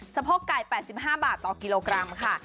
สะโพกไก่๘๕บาทต่อกิโลกรัมค่ะ